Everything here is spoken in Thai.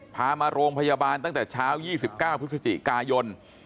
พามาโรงพยาบาลตั้งแต่เช้า๒๙พฤศจิกายน